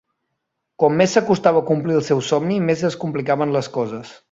Com més s'acostava a complir el seu somni, més es complicaven les coses.